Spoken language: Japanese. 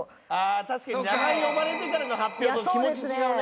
確かに名前呼ばれてからの発表と気持ち違うね。